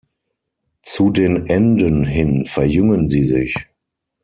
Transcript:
Zu den Enden hin verjüngen sie sich.